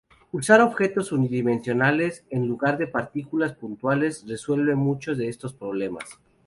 Usar objetos unidimensionales en lugar de partículas puntuales resuelve muchos de estos problemas.